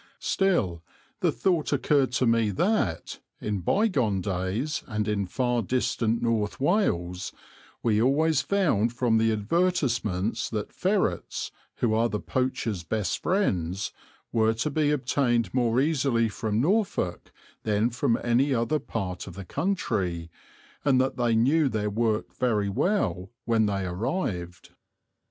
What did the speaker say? Still the thought occurred to me that, in bygone days and in far distant North Wales, we always found from the advertisements that ferrets, who are the poachers' best friends, were to be obtained more easily from Norfolk than from any other part of the country, and that they knew their work very well when they arrived.